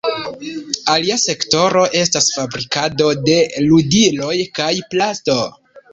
Alia sektoro estas fabrikado de ludiloj kaj plasto.